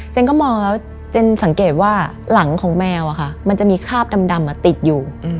ก็มองแล้วเจนสังเกตว่าหลังของแมวมันจะมีคราบดำติดอยู่